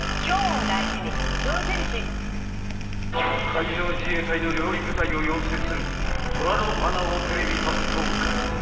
［海上自衛隊の料理部隊を養成する虎の穴をテレビ初公開］